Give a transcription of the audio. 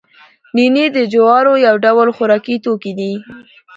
نینې د جوارو یو ډول خوراکي توکی دی